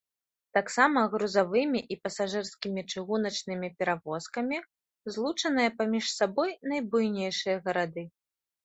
Таксама грузавымі і пасажырскімі чыгуначнымі перавозкамі злучаныя паміж сабой найбуйнейшыя гарады.